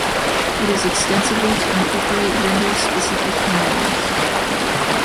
It is extensible to incorporate vendor specific commands.